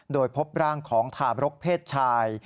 โดยพบร่างของทาบรกเพศชาย